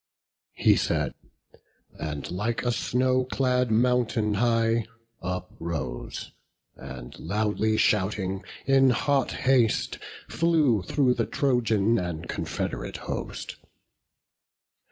He said; and, like a snow clad mountain high, Uprose; and loudly shouting, in hot haste Flew through the Trojan and Confed'rate host.